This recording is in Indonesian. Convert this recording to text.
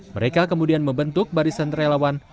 mereka kemudian membentuk barisan relawan